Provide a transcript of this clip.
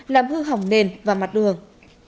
làm hư hỏng nền và mặt đường